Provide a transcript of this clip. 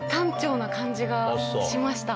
な感じがしました。